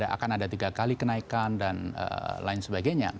akan ada tiga kali kenaikan dan lain sebagainya